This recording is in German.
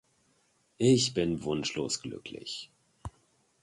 Ich bin wunschlos glücklich.